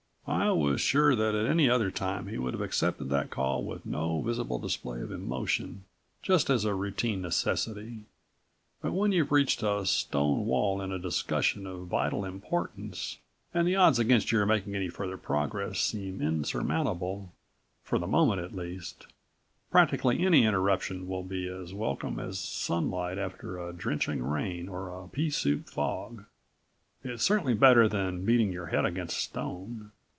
I was sure that at any other time he'd have accepted that call with no visible display of emotion, just as a routine necessity. But when you've reached a stone wall in a discussion of vital importance and the odds against your making any further progress seem insurmountable, for the moment at least, practically any interruption will be as welcome as sunlight after a drenching rain or a peasoup fog. It's certainly better than beating your head against stone.